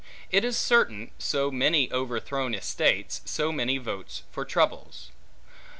It is certain, so many overthrown estates, so many votes for troubles.